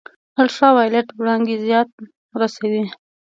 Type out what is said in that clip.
الټرا وایلیټ وړانګې زیان رسوي